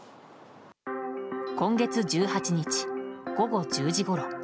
今月１８日、午後１０時ごろ。